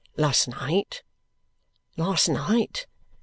"Last night! Last night?"